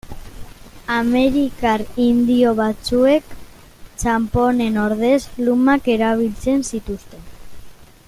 Amerikar indio batzuek txanponen ordez lumak erabiltzen zituzten.